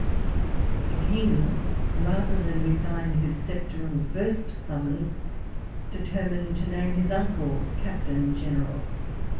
The King, rather than resign bis sceptre oi^ walpole's letters. Ill the first summons, determined to name his uncle Captain General.